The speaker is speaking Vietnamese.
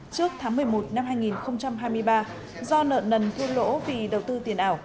trước tháng một mươi một năm hai nghìn hai mươi ba do nợ nần thua lỗ vì đầu tư tiền ảo